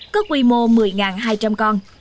có quy mô một mươi hai trăm linh con